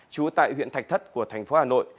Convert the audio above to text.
chú tại huyện thạch thất của tp hà nội